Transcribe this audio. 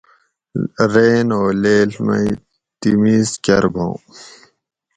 رین او لیڷ مئی تمیز کۤرباں